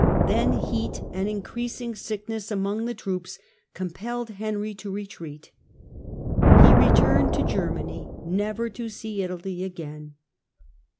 Then eat and increasing sickness among the troops compelled lenry to retreat. He returned to Germany, never to Be Italy again.